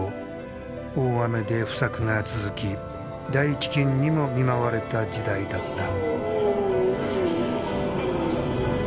大雨で不作が続き大飢きんにも見舞われた時代だった。